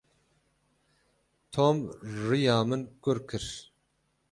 Tom riya min kur kir.